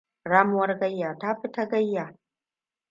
Ramuwar gayya tafi ta gayya.